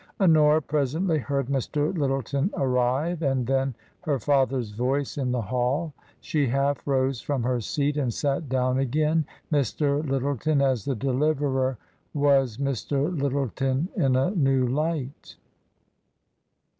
Honora presently heard Mr, Lyttleton arrive, and then her father's voice in the hall. She half rose from her seat and sat down again. Mr. Lyttleton as the deliverer was Mr. Lyttleton in a new light.